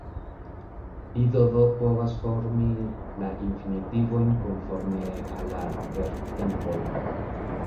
Ido do povas formi la infinitivojn konforme al la verbtempoj.